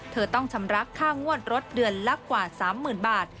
เธอต้องชำระค่างวดรถเดือนละกว่า๓๐๐๐บาท